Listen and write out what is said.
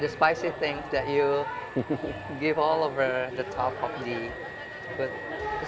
saya suka bahan pedas yang diberikan di atas